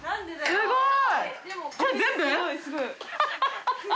すごい。